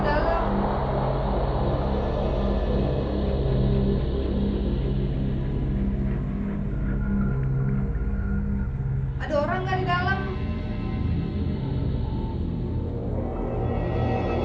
jangan lupa kenadomin bts